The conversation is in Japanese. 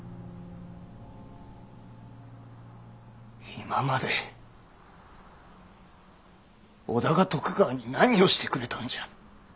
今まで織田が徳川に何をしてくれたんじゃ。